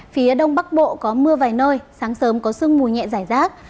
phía đông bắc bộ có mưa vài nơi sáng sớm có sương mù nhẹ giải rác